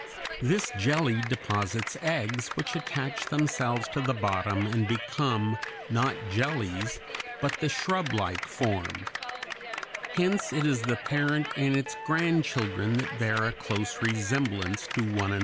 This jelly deposits eggs which attach themselves to the bottom and become not jellies but the shrublike form. Hence it is the parent and its grandchildren that bear a close resemblance to one another. [Illustration: FIG. 23.